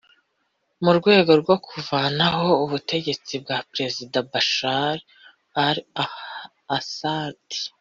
mu rwego rwo kuvanaho ubutegetsi bwa Perezida Bashar al-Assad